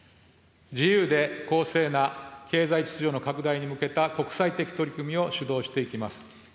自由で公正な経済秩序の拡大に向けた国際的取り組みを主導していきます。